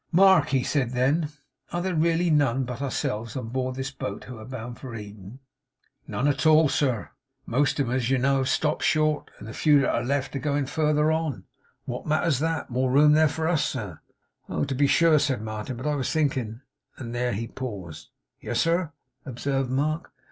'Mark,' he said then, 'are there really none but ourselves on board this boat who are bound for Eden?' 'None at all, sir. Most of 'em, as you know, have stopped short; and the few that are left are going further on. What matters that! More room there for us, sir.' 'Oh, to be sure!' said Martin. 'But I was thinking ' and there he paused. 'Yes, sir?' observed Mark.